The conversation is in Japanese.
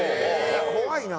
怖いな。